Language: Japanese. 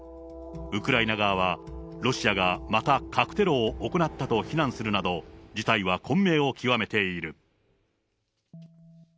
ウクライナ側は、ロシアがまた核テロを行ったと非難するなど、事態は混迷を極めている。